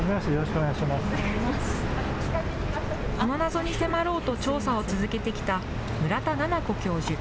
その謎に迫ろうと調査を続けてきた、村田奈々子教授。